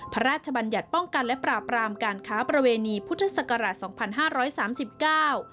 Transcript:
พระราชบัญญัติป้องกันและปราบรามการค้าประเวณีพุทธศักราชสองพันห้าร้อยสามสิบเก้า